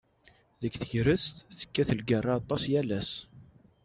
Deg tegrest, tekkat lgerra aṭas yal ass.